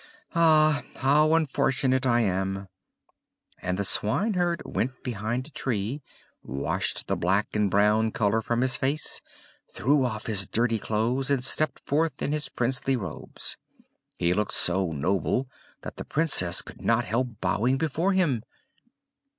Ah! how unfortunate I am!" And the swineherd went behind a tree, washed the black and brown color from his face, threw off his dirty clothes, and stepped forth in his princely robes; he looked so noble that the Princess could not help bowing before him.